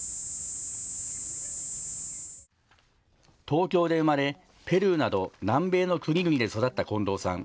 東京で生まれ、ペルーなど南米の国々で育った近藤さん。